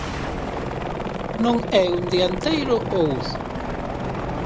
Non é un dianteiro ao uso.